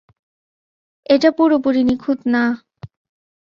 এটা পুরোপুরি নিখুঁত না।